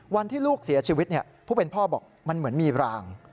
วันที่ลูกเสียชีวิตผู้เป็นพ่อบอกมันเหมือนมีราง